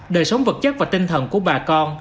đời sống vật chất và tinh thần của bà con